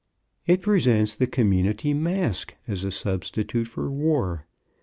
It presents the community masque as a substitute for war.